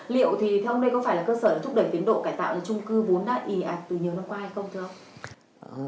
liệu thì theo ông đây có phải là cơ sở để thúc đẩy tiến độ cải tạo trung cư vốn đã y ạc từ nhiều năm qua hay không thưa ông